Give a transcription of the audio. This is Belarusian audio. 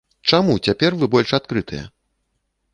Чаму цяпер вы больш адкрытыя?